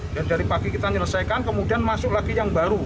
dan dari pagi kita menyelesaikan kemudian masuk lagi yang baru